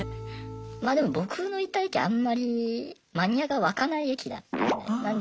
まあでも僕のいた駅あんまりマニアが湧かない駅だったので。